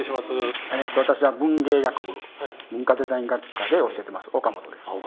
私は文芸学部文化デザイン学科で教えてます岡本です。